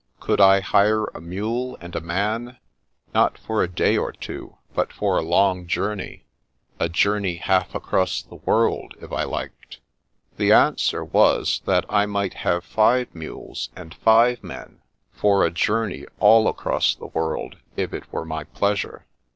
Could I hire a mule and a man, not for a day or two, but for a long journey — a journey half across the world if I liked? At Last! 87 The answer was that I might have five mules and five men for a journey all across the world if it were my pleasure.